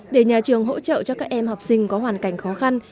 để nhà trường hỗ trợ cho các em học sinh có hoàn cảnh khó khăn